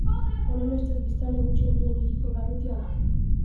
Honenbestez, biztanle gutxien duen hiriko barrutia da.